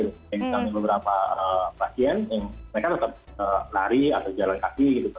misalnya beberapa pasien yang mereka tetap lari atau jalan kaki gitu